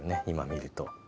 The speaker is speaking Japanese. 今見ると。